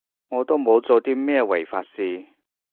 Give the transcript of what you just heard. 我都冇做啲咩違法事